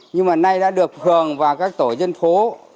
nhưng mà nay đã được hưởng vào các tổ dân phố